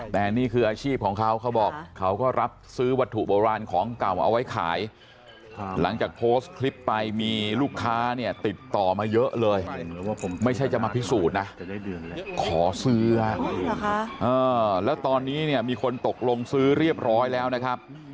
มีลูกค้าติดต่อมาเยอะเลยไม่ใช่จะมาพิสูจน์นะขอเสื้อแล้วตอนนี้มีคนตกลงซื้อเรียบร้อยแล้วนะครับ